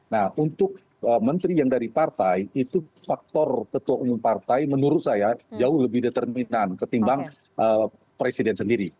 nah untuk menteri yang dari partai itu faktor ketua umum partai menurut saya jauh lebih determinan ketimbang presiden sendiri